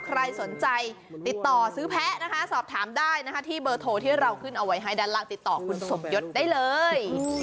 ใครสนใจติดต่อซื้อแพ้นะคะสอบถามได้นะคะที่เบอร์โทรที่เราขึ้นเอาไว้ให้ด้านล่างติดต่อคุณสมยศได้เลย